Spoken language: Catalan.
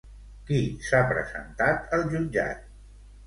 Qui s'ha presentat al jutjat?